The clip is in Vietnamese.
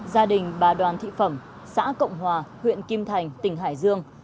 gia đình bà đoàn thị phẩm xã cộng hòa huyện kim thành tỉnh hải dương